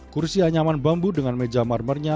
kursi anyaman bambu dengan meja marmernya